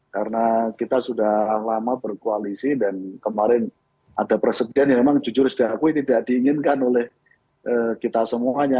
karena kita sudah lama berkoalisi dan kemarin ada persegihan yang memang jujur sudah aku tidak diinginkan oleh kita semuanya